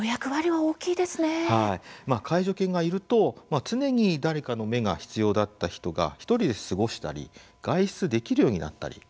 はい、介助犬がいると常に誰かの目が必要だった人が１人で過ごしたり外出できるようになったりします。